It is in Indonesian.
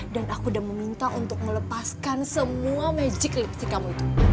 dan aku udah meminta untuk melepaskan semua magic lipstick kamu itu